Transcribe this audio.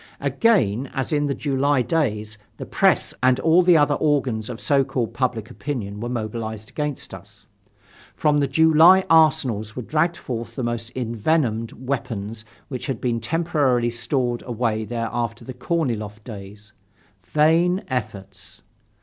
Again, as in the July days, the press and all the other organs of so called public opinion were mobilized against us. From the July arsenals were dragged forth the most envenomed weapons which had been temporarily stored away there after the Korniloff days. Vain efforts!